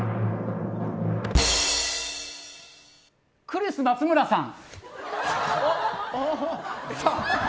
クリス松村さん。